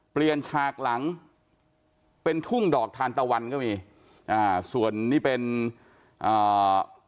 ฉากหลังเป็นทุ่งดอกทานตะวันก็มีอ่าส่วนนี่เป็นอ่า